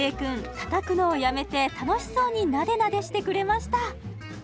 たたくのをやめて楽しそうになでなでしてくれました